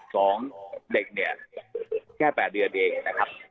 สองเด็กเนี่ยแค่แปดเดือดเองนะครับนะครับ